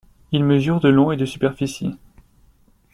Il mesure de long et de superficie.